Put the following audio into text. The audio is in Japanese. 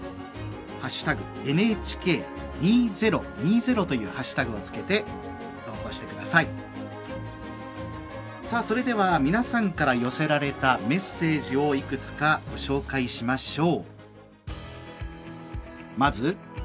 「＃ＮＨＫ２０２０というハッシュタグを付けてそれでは皆さんから寄せられたメッセージをいくつかご紹介しましょう。